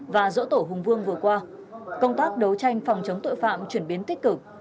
và dỗ tổ hùng vương vừa qua công tác đấu tranh phòng chống tội phạm chuyển biến tích cực